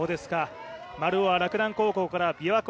丸尾は洛南高校からびわこ